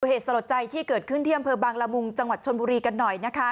เหตุสลดใจที่เกิดขึ้นที่อำเภอบางละมุงจังหวัดชนบุรีกันหน่อยนะคะ